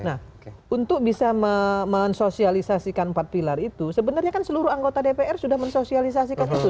nah untuk bisa mensosialisasikan empat pilar itu sebenarnya kan seluruh anggota dpr sudah mensosialisasikan itu